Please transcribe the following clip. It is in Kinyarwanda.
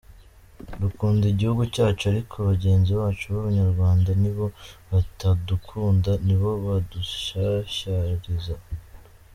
Dukunda igihugu cyacu ariko bagenzi bacu b’Abanyarwanda ni bo batadukunda, ni bo badushyashyariza.